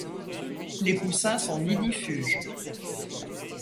Les poussins sont nidifuges.